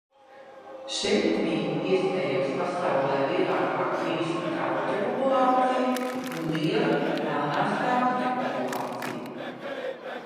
Šeit mīt, iespējams, pasaulē lielākā grīšļu ķauķa populācija un liela melnā stārķa populācija.